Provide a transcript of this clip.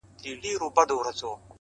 گوره زما گراني زما د ژوند شاعري,